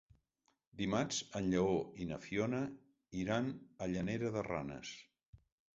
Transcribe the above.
Dimarts en Lleó i na Fiona iran a Llanera de Ranes.